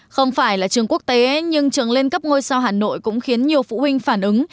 không phải là trường quốc tế nhưng trường lên cấp ngôi sao hà nội cũng khiến nhiều phụ huynh phản ứng